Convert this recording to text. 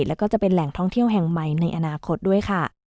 แล้วก็จะเป็นแหล่งท่องเที่ยวแห่งใหม่ในอนาคตด้วยค่ะ